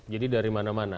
jadi dari mana mana